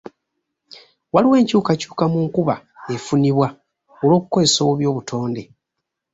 Waliwo enkyukakyuka mu nkuba efunibwa olw'okukozesa obubi obutonde.